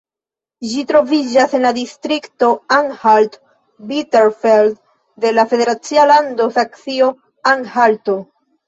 Ĝi troviĝis en la distrikto Anhalt-Bitterfeld de la federacia lando Saksio-Anhalto.